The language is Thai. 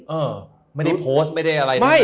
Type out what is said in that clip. เออไม่ได้โพสต์ไม่ได้อะไรทั้งสิ้น